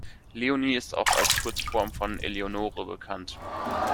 Leonie ist auch als Kurzform von Eleonore bekannt.